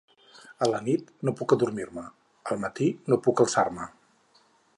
A la nit, no puc adormir-me. Al matí, no puc alçar-me.